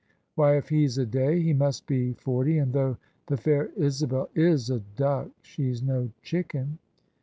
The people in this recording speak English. Why, if he*s a day, he must be forty: and though the fair Isabel is a duck, she's no chicken!"